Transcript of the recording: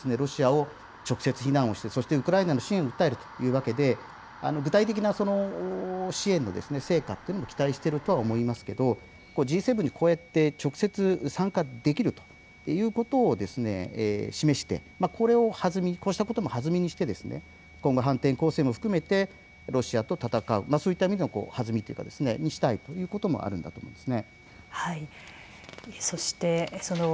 Ｇ７各首脳の輪に交じってロシアを直接、非難をしてウクライナの支援を訴えるというわけで具体的な支援の成果というのを期待していると思いますがＧ７でこうやって直接参加できるということを示してこうしたこともはずみにして今後、反転攻勢も含めてロシアと戦う、そういった意味のはずみにしたいということもあるんだと思います。